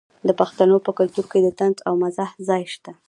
د پښتنو په کلتور کې د طنز او مزاح ځای شته.